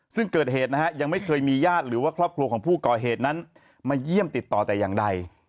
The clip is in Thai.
ซึ่งเกิดเหตุนะฮะยังไม่เคยมีญาติหรือว่าครอบครัวของผู้ก่อเหตุนั้นมาเยี่ยมติดต่อแต่อย่างใด